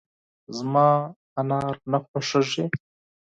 زما انار نه خوښېږي .